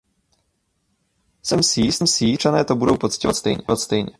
Jsem si jist, že i občané to budou pociťovat stejně.